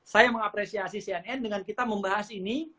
saya mengapresiasi cnn dengan kita membahas ini